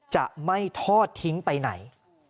จะไม่ทอดทิ้งไปไหน